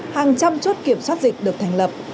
hàng trăm chốt kiểm soát dịch được thành lập